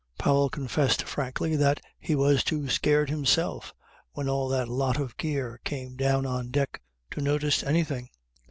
Powell confessed frankly that he was too scared himself when all that lot of gear came down on deck to notice anything.